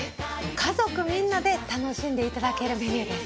家族みんなで楽しんでいただけるメニューです。